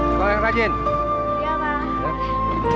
semoga yang rajin